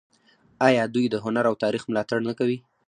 آیا دوی د هنر او تاریخ ملاتړ نه کوي؟